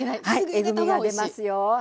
えぐみが出ますよ。